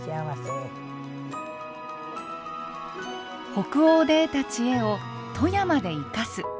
北欧で得た知恵を富山で生かす。